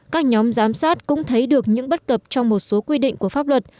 các nhóm giám sát cũng thấy được những bất cập trong một số quy định của pháp luật